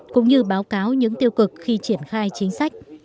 cũng như báo cáo những tiêu cực khi triển khai chính sách